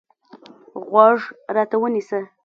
غوږ راته ونیسه.